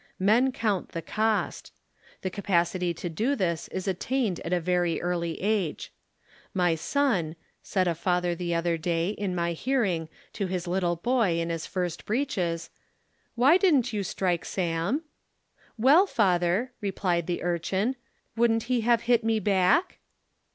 Men count the cost. The capacity to do this is attained at a very early age. My son, said a father the other day in ni} hearing to his little bo}' in his first breeches, " why did'nt you strike Sam?" "Well, father," replied the urchin, " would'nt he have hit me back?"